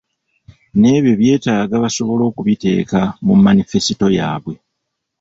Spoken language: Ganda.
N'ebyo bye beetaaga basobole okubiteeka mu manifesto yaabwe.